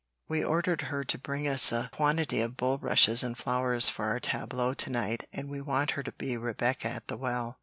We ordered her to bring us a quantity of bulrushes and flowers for our tableaux to night, and we want her to be Rebecca at the well.